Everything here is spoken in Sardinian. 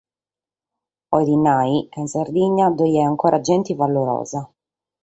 Bolet nàrrere chi in Sardigna ddoe at ancora gente valorosa.